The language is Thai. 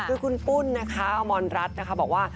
คือคุณปุ้นนะคะอมรรัฐนะคะบอกว่า